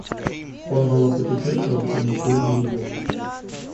Он мало путешествовал и ничего не видел.